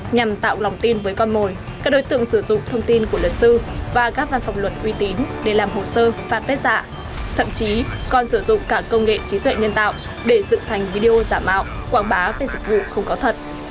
nhằm tạo lòng tin với con mồi các đối tượng sử dụng thông tin của luật sư và các văn phòng luật uy tín để làm hồ sơ fanpage giả thậm chí còn sử dụng cả công nghệ trí tuệ nhân tạo để dựng thành video giả mạo quảng bá về dịch vụ không có thật